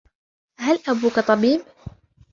هل أبوك طبيب ؟